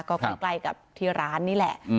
ก็ใกล้กับที่ร้านนี่แหละ